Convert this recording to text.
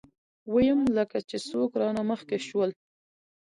ويم لکه چې څوک رانه مخکې شول.